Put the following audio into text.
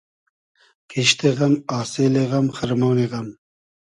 کیشت غئم آسیلی غئم خئرمۉنی غئم